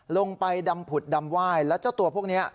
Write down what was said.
ลงไปดำผุดดำไหว้แล้วเจ้าตัวพวกนี้